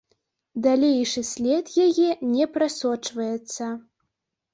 Далейшы след яе не прасочваецца.